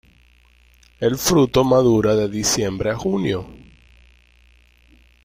El fruto madura de diciembre a junio.